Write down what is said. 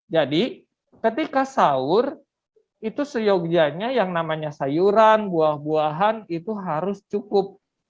ketika sahur itu seyogyanya yang namanya sayuran buah buahan itu harus cukup